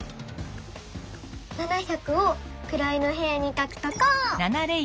「７００」をくらいのへやにかくとこう！